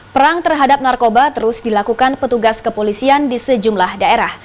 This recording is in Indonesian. perang terhadap narkoba terus dilakukan petugas kepolisian di sejumlah daerah